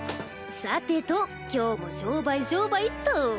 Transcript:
さてと今日も商売商売っと。